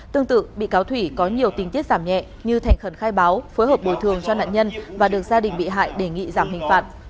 tương tự bị cáo thủy có nhiều tình tiết giảm nhẹ như thành khẩn khai báo phối hợp bồi thường cho nạn nhân và được gia đình bị hại đề nghị giảm hình phạt